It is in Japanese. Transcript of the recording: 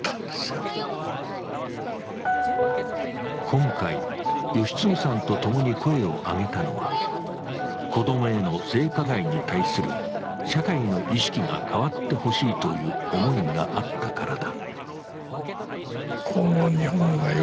今回、吉次さんとともに声を上げたのは子供への性加害に対する社会の意識が変わってほしいという思いがあったからだ。